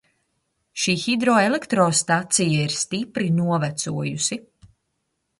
Šī hidroelektrostacija ir stipri novecojusi.